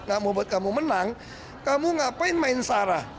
gak membuat kamu menang kamu ngapain main sarah